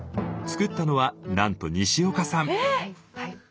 作ったのはなんとにしおかさん！